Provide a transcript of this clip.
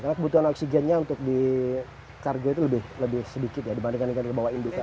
karena kebutuhan oksigennya untuk di kargo itu lebih sedikit ya dibandingkan ikan yang dibawa indukan